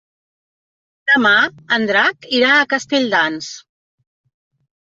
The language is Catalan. Demà en Drac irà a Castelldans.